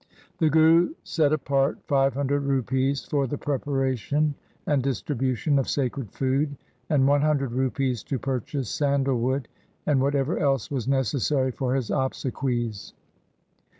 The Guru set apart five hundred rupees for the preparation and distribution of sacred food and one hundred rupees to purchase sandal wood and what ever else was necessary for his obsequies.